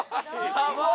ヤバい！